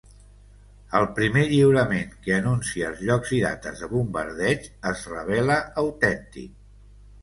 El primer lliurament que anuncia els llocs i dates de bombardeigs es revela autèntic.